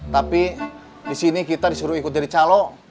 tapi disini kita disuruh ikut dari calo